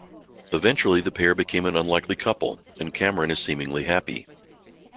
Eventually the pair become an unlikely couple, and Cameron is seemingly happy.